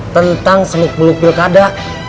tentang enam puluh pilkada